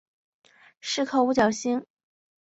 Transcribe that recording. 是颗五角星。